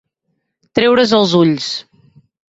Treure's els ulls.